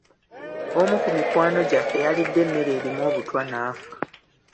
Omu ku mikwano gyaffe yalidde emmere erimu obutwa n'afa.